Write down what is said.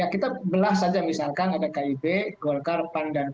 kita belah saja misalkan ada kib golkar pan dan p tiga